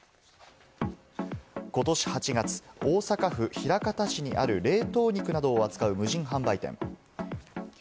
ことし８月、大阪府枚方市にある冷凍肉などを扱う無人販売店。